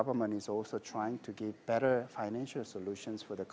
pemerintah juga mencoba untuk memberikan solusi keuangan yang lebih baik